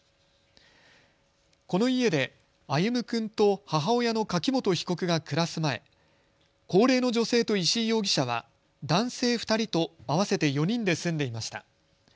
この家で歩夢君と母親の柿本被告が暮らす前、高齢の女性と石井容疑者は男性２人と合わせて４人で住んでいました。